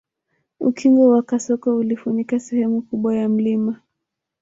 Ukingo wa kasoko ulifunika sehemu kubwa ya mlima